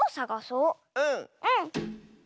うん！